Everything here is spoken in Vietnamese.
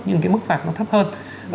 nhưng cái mức phạt nó thấp hơn